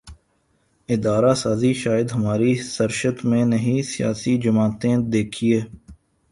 ادارہ سازی شاید ہماری سرشت میں نہیں سیاسی جماعتیں دیکھیے